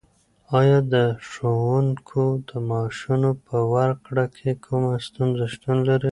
ایا د ښوونکو د معاشونو په ورکړه کې کومه ستونزه شتون لري؟